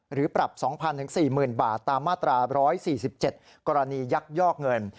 หรือปรับ๒๐๐๔๐๐๐บาทตามมาตรา๑๔๗กรณียักยอกเงิน